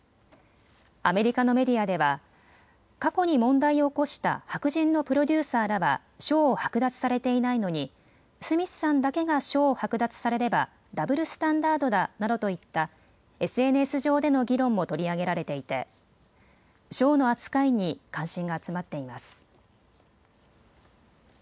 アメリカのメディアでは過去に問題を起こした白人のプロデューサーらは賞を剥奪されていないのにスミスさんだけが賞を剥奪されればダブルスタンダードだなどといったＳＮＳ上での議論も取り上げられていて賞の扱いに関心が集まっています。